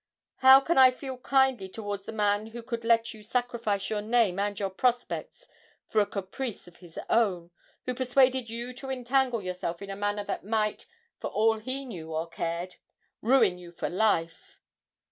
How can I feel kindly towards the man who could let you sacrifice your name and your prospects for a caprice of his own, who persuaded you to entangle yourself in a manner that might, for all he knew or cared, ruin you for life?'